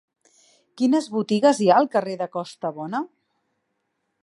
Quines botigues hi ha al carrer de Costabona?